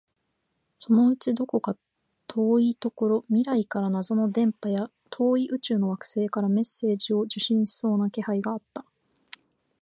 そのうちどこか遠いところ、未来から謎の電波や、遠い宇宙の惑星からメッセージを受信しそうな気配があった